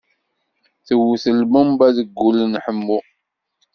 Tewwet lbumba deg wul n Ḥemmu.